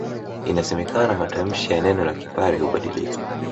Inasemekana matamshi ya neno la Kipare hubadilika